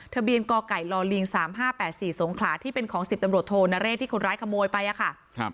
กไก่ลิง๓๕๘๔สงขลาที่เป็นของ๑๐ตำรวจโทนเรศที่คนร้ายขโมยไปค่ะ